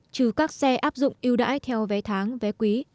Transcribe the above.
trừ các xe áp dụng yêu đãi theo vé tháng vé quý